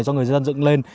do người dân dựng lên